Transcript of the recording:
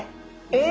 え